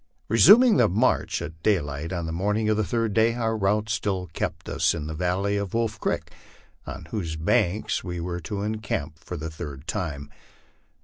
Resum ing the march at daylight on the morning of the third day, our route still kept us in the valley of Wolf creek, on whose banks we were to encamp for the LIFE ON THE PLAINS. 149 third time.